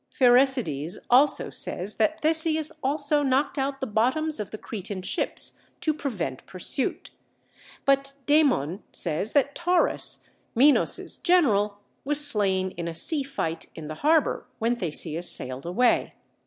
Pherecydes also says that Theseus also knocked out the bottoms of the Cretan ships, to prevent pursuit. But Demon says that Taurus, Minos' general, was slain in a sea fight in the harbor, when Theseus sailed away.